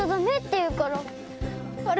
あれ？